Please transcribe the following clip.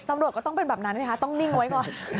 ตำรวจก็ต้องเป็นแบบนั้นนะคะต้องนิ่งไว้ก่อน